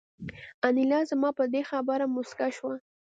انیلا زما په دې خبره موسکه شوه